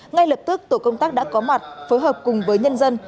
ngay lập tức tổ công tác đã có mặt phối hợp cùng với nhân dân